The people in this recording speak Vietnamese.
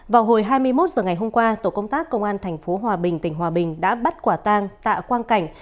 vào hồi hai mươi một h ngày hôm qua tổ công tác công an tp hòa bình tỉnh hòa bình đã bắt quả tang tạ quang cảnh